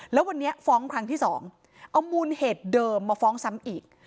แล้ววันนี้ฟ้องครั้งที่๒เอามูลเหตุเดิมมาฟ้องซ้ำอีก